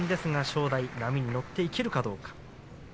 正代、波に乗っていけるかどうか。